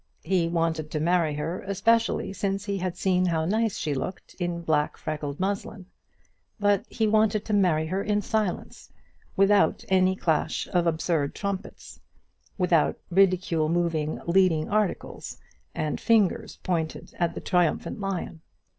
He wanted to marry her especially since he had seen how nice she looked in black freckled muslin; but he wanted to marry her in silence, without any clash of absurd trumpets, without ridicule moving leading articles, and fingers pointed at the triumphant lion.